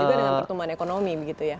juga dengan pertumbuhan ekonomi begitu ya